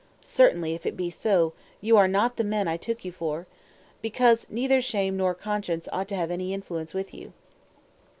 Certainly, if it be so, you are not the men I took you for; because neither shame nor conscience ought to have any influence with you.